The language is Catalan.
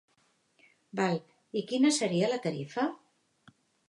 Val, i quina seria la tarifa?